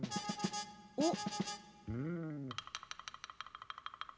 おっ？